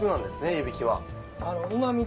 湯引きは。